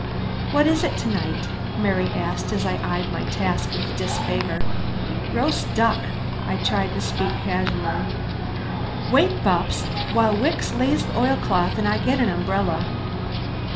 "What is it to night?" Mary asked as I eyed my task with disfavor. "Roast duck." I tried to speak casually. "Wait, Bupps, while Wicks lays the oilcloth and I get an umbrella."